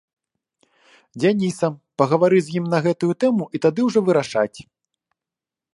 Дзянісам, пагаварыць з ім на гэтую тэму і тады ўжо вырашаць.